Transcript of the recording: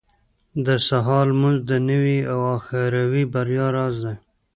• د سهار لمونځ د دنيوي او اخروي بريا راز دی.